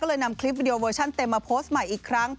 ก็เลยนำคลิปวิดีโอเวอร์ชั่นเต็มมาโพสต์ใหม่อีกครั้ง